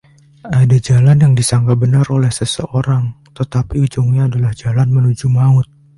Ada jalan yang disangka benar oleh seseorang, tetapi ujungnya adalah jalan menuju maut.